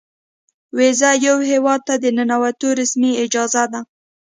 ویزه یو هیواد ته د ننوتو رسمي اجازه ده.